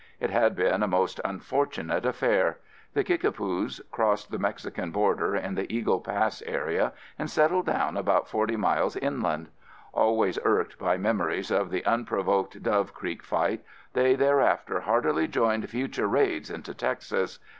It had been a most unfortunate affair. The Kickapoos crossed the Mexican border in the Eagle Pass area and settled down about forty miles inland. Always irked by memories of the unprovoked Dove Creek fight, they thereafter heartily joined future raids into Texas.